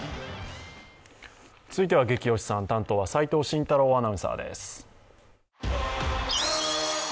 続いては「ゲキ推しさん」担当は齋藤慎太郎アナウンサーです。